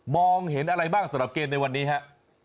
เห็นอะไรบ้างสำหรับเกมในวันนี้ครับ